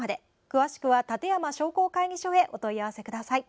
詳しくは、館山商工会議所へお問い合わせください。